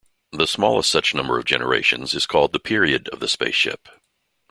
The smallest such number of generations is called the period of the spaceship.